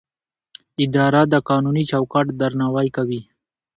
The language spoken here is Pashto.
اداره د قانوني چوکاټ درناوی کوي.